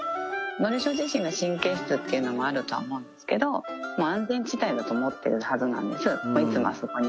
のりしお自身が神経質っていうのもあると思うんですけど、安全地帯だと思ってるはずなんです、いつもあそこに。